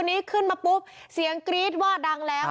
นี้ขึ้นมาปุ๊บเสียงกรี๊ดว่าดังแล้ว